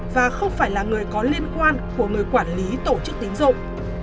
và không phải là người có liên quan của người quản lý tổ chức tín dụng